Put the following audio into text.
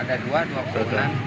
ada dua dua pohon